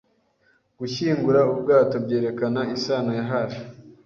gushyingura ubwato byerekana isano ya hafi